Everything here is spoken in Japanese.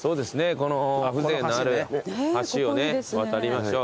この風情のある橋を渡りましょう。